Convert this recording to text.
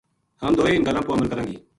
ہم دوئے اِنھ گلاں پو عمل کراں گی